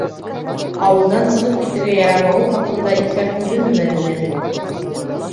- Ауылдан сығып китергә ярамауы хаҡында иҫкәртелдеме Мәҙинә?